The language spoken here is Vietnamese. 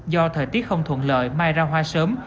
do thời tiết không thuận lợi mai ra hoa sớm